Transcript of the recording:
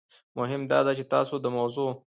مهم داده چې تاسو د موضوع